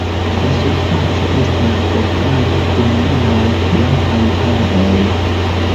La surfaco estas kovrata kun longaj blankaj haroj.